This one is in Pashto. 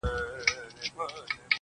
غمی ورک سو د سړي پر سترګو شپه سوه,